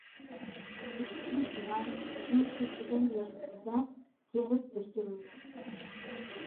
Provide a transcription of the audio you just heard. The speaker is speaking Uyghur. ئۆستۈرۈش رايونىمىزنىڭ كۆپلىگەن يەرلىرىدە تېرىپ ئۆستۈرۈلىدۇ.